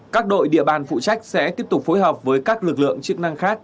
các đội địa bàn phụ trách sẽ tiếp tục phối hợp với các lực lượng chức năng khác